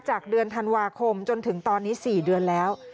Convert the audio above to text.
จากเดือนธันวาคมจนถึงตอนนี้๔เดือนแล้ว